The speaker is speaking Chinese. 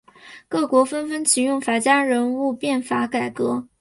各国纷纷启用法家人物变法改革。